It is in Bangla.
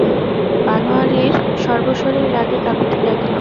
বনোয়ারির সর্বশরীর রাগে কাঁপিতে লাগিল।